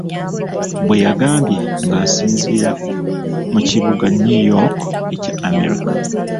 Bwe yagambye ng'asinziira mu kibuga New York ekya Amerika.